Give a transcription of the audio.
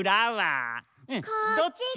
どっち？